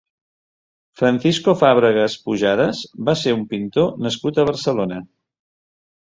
Francisco Fábregas Pujadas va ser un pintor nascut a Barcelona.